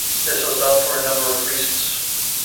This was done for a number of reasons.